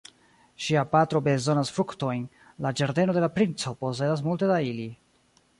Ŝia patro bezonas fruktojn; la ĝardeno de la princo posedas multe da ili.